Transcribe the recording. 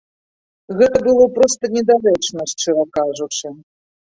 Гэта было проста недарэчна, шчыра кажучы.